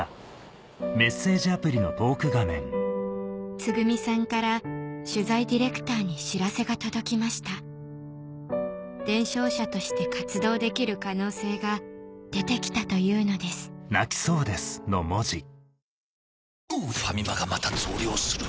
つぐみさんから取材ディレクターに知らせが届きました伝承者として活動できる可能性が出てきたというのですファミマがまた増量する。